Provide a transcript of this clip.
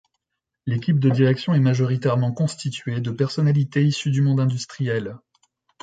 L’équipe de direction est majoritairement constituée de personnalités issues du monde industriel.